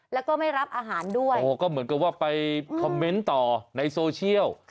แล้วก็ไม่รับอาหารด้วยโอ้ก็เหมือนกับว่าไปคอมเมนต์ต่อในโซเชียล